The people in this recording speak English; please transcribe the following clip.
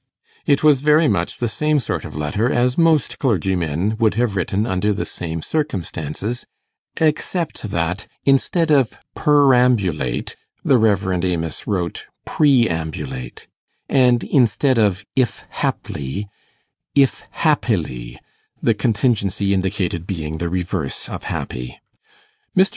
It was very much the same sort of letter as most clergymen would have written under the same circumstances, except that instead of perambulate, the Rev. Amos wrote preambulate, and instead of 'if haply', 'if happily', the contingency indicated being the reverse of happy. Mr.